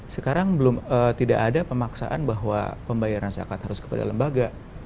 sekarang tidak ada pemaksaan bahwa pembayaran zakat harus kepada lembaga